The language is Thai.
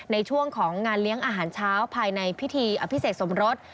ในช่วงของงานเลี้ยงอาหารเช้าภายในพิธีอภิเษกสมรส